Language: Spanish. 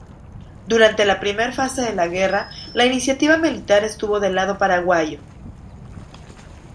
Durante la primera fase de la guerra la iniciativa militar estuvo del lado paraguayo.